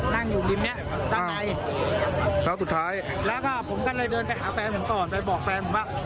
นั่งอยู่ริมเนี้ยด้านในครั้งสุดท้ายแล้วก็ผมก็เลยเดินไปหาแฟนผมก่อนไปบอกแฟนผมว่า